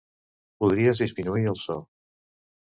Podries disminuir el so.